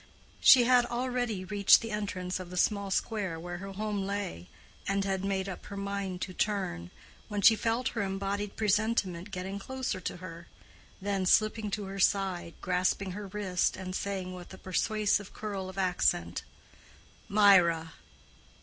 She had already reached the entrance of the small square where her home lay, and had made up her mind to turn, when she felt her embodied presentiment getting closer to her, then slipping to her side, grasping her wrist, and saying, with a persuasive curl of accent, "Mirah!"